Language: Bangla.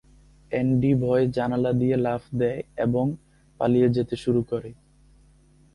অ্যান্ডি ভয়ে জানালা দিয়ে লাফ দেয় এবং পালিয়ে যেতে শুরু করে।